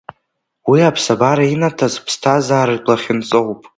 Уи аԥсабара инаҭаз ԥсҭазааратә лахьынҵоуп.